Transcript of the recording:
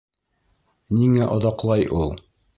Ниңә оҙаҡлай ул?!